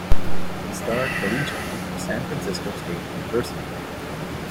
He starred collegiately for San Francisco State University.